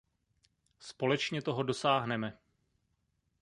Společně toho dosáhneme.